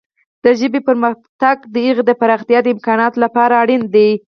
د ژبې پرمختګ د هغې د پراختیا د امکاناتو لپاره اړین دی.